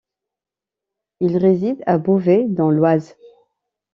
Il réside à Beauvais dans l'Oise.